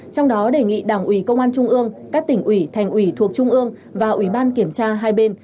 trong đó đề nghị đảng ủy công an trung ương các tỉnh ủy thành ủy thuộc trung ương và ủy ban kiểm tra hai bên